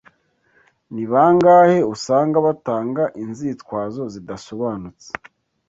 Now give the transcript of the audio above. Ni bangahe usanga batanga inzitwazo zidasobanutse